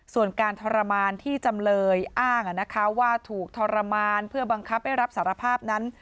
ส่วนการทรมานที่จำเลยอ้างว่าถูกทรมานเพื่อบังคับให้รับสารภาพนั้น